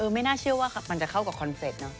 ไม่น่าเชื่อว่ามันจะเข้ากับคอนเซ็ตเนอะ